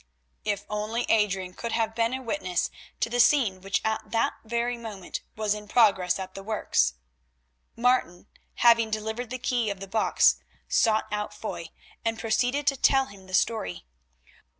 If only Adrian could have been a witness to the scene which at that very moment was in progress at the works! Martin having delivered the key of the box, sought out Foy, and proceeded to tell him the story.